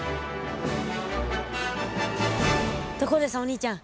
ところでさお兄ちゃん